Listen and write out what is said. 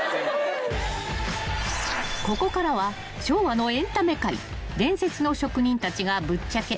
［ここからは昭和のエンタメ界伝説の職人たちがぶっちゃけ］